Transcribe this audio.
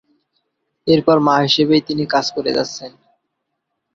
এরপর মা হিসেবেই তিনি কাজ করে যাচ্ছেন।